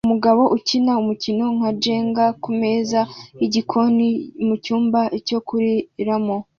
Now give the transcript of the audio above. Umugabo ukina umukino nka Jenga kumeza yigikoni mucyumba cyo kuriramo